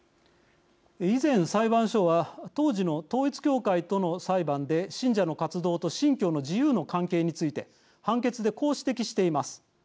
以前、裁判所は当時の統一教会との裁判で信者の活動と信教の自由の関係について判決で、こう指摘しています。